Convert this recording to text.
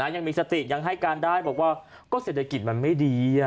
ยังมีสติยังให้การได้บอกว่าก็เศรษฐกิจมันไม่ดี